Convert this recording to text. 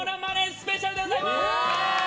スペシャルでございます。